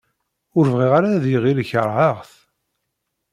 Ur bɣiɣ ara ad iɣil kerheɣ-t.